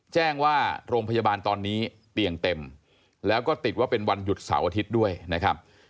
แจ้งว่าโรงพยาบาลตอนนี้เตียงเต็มแล้วก็ติดว่าเป็นวันหยุดเสาร์อาทิตย์ด้วยนะครับ